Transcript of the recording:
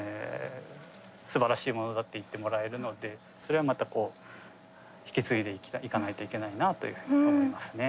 すばらしいものだって言ってもらえるのってそれはまたこう引き継いでいかないといけないなというふうに思いますね。